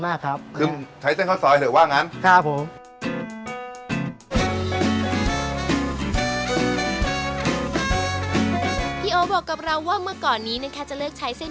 คล้ายข้าวสอยมันแตกต่างจากเส้นข้าวสอยไหม